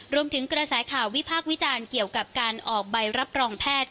รวมถึงกระแสข่าววิพากษ์วิจารณ์เกี่ยวกับการออกใบรับรองแพทย์